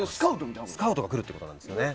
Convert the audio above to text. スカウトが来るということなんですね。